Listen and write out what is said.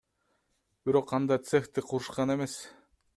Бирок анда цехти курушкан эмес.